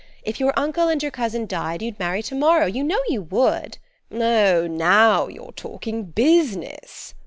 If your uncle and your cousin died, you'd marry to morrow; you know you would." "Oh, now you're talking business."